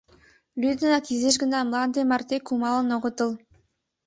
Лӱдынак, изиш гына мланде марте кумалын огытыл.